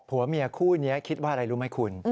ผัวเมียคู่นี้คิดว่าอะไรรู้ไหมคุณ